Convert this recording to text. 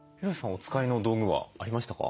お使いの道具はありましたか？